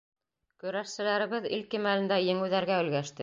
Көрәшселәребеҙ ил кимәлендә еңеүҙәргә өлгәште.